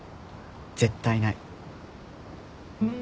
絶対ない。